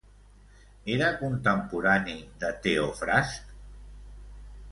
Era contemporani de Teofrast?